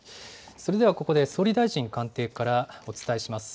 それではここで総理大臣官邸からお伝えします。